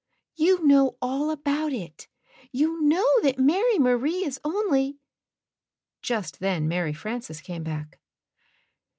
''You know all about it. You know that Mary Marie is only " Just then Mary Frances came back.